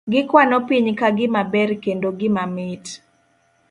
Gikwano piny ka gimaber, kendo gima mit.